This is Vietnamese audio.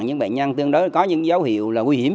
những bệnh nhân tương đối có những dấu hiệu là nguy hiểm